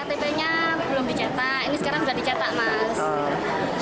ktp nya belum dicetak ini sekarang sudah dicetak mas